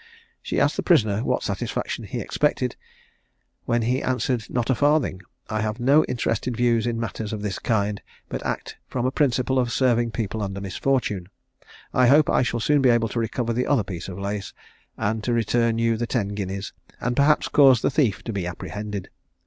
She asked the prisoner what satisfaction he expected, when he answered "Not a farthing; I have no interested views in matters of this kind, but act from a principle of serving people under misfortune. I hope I shall soon be able to recover the other piece of lace, and to return you the ten guineas, and perhaps cause the thief to be apprehended.